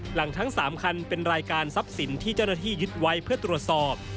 หลังทั้ง๓คันเป็นรายการทรัพย์สินที่เจ้าหน้าที่ยึดไว้เพื่อตรวจสอบ